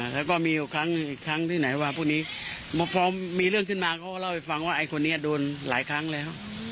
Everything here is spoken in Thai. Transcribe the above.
แล้วก็มีครั้งอีกครั้งที่ไหนว่าพวกนี้พอมีเรื่องขึ้นมาเขาก็เล่าให้ฟังว่าไอ้คนนี้โดนหลายครั้งแล้ว